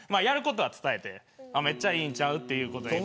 やることは伝えてめっちゃいいんちゃうと。